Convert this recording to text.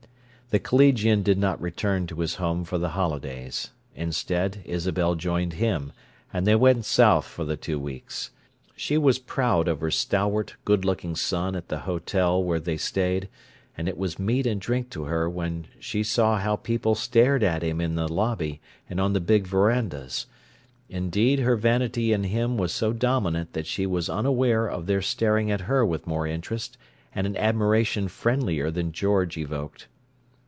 The collegian did not return to his home for the holidays. Instead, Isabel joined him, and they went South for the two weeks. She was proud of her stalwart, good looking son at the hotel where they stayed, and it was meat and drink to her when she saw how people stared at him in the lobby and on the big verandas—indeed, her vanity in him was so dominant that she was unaware of their staring at her with more interest and an admiration friendlier than George evoked.